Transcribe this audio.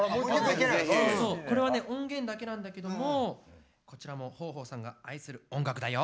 これは音源だけなんだけどもこちらも豊豊さんが愛する音楽だよ。